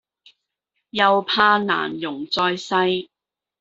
又怕難容在世